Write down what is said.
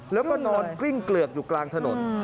แล้วก็นอนกริ้งเกลือกอยู่กลางถนน